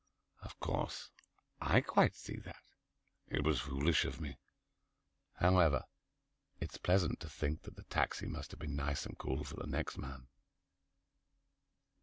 Of course I quite see that. It was foolish of me. However, it's pleasant to think that the taxi must have been nice and cool for the next man.